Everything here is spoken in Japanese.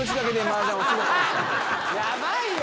ヤバいよ。